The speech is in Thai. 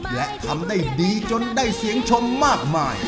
และทำได้ดีจนได้เสียงชมมากมาย